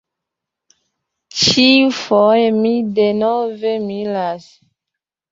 Ĉiufoje mi denove miras.